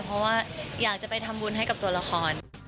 เพราะว่าอยากจะไปทำบุญให้กับตัวละคร